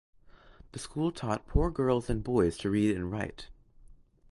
The school taught poor girls and boys to read and write.